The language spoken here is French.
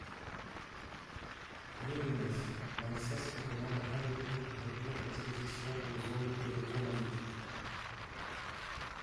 Rien de neuf, l’ANSES recommande à nouveau de réduire l’exposition aux ondes électromagnétiques.